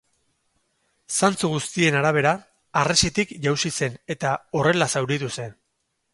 Zantzu guztien arabera, harresitik jausi zen, eta horrela zauritu zen.